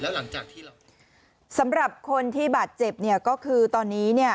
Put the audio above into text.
นายก็คิดว่าสำหรับคนที่บาดเจ็บก็คือตอนนี้เนี่ย